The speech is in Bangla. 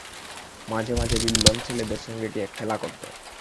মাঝে মাঝে বিল্বন ছেলেদের সঙ্গে গিয়া খেলা করিতেন।